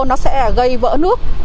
nó sẽ gây vỡ nước